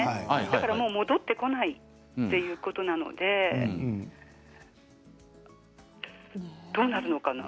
もう戻ってこないということなのでどうなるのかな。